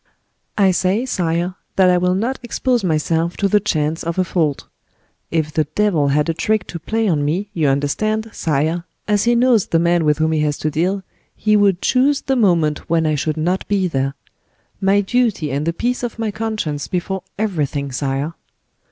"I say, sire, that I will not expose myself to the chance of a fault. If the devil had a trick to play on me, you understand, sire, as he knows the man with whom he has to deal, he would chose the moment when I should not be there. My duty and the peace of my conscience before everything, sire."